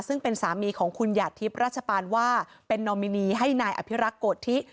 ซึ่งเป็นสามีของคุณหยาดทิพย์ราชปานว่าเป็นนอมินีให้นายอภิรักษ์โกธิ